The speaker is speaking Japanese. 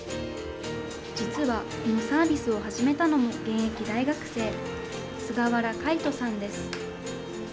実はこのサービスを始めたのも、現役大学生、菅原魁人さんです。